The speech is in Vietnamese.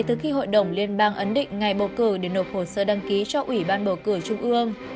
từ khi hội đồng liên bang ấn định ngày bầu cử để nộp hồ sơ đăng ký cho ủy ban bầu cử trung ương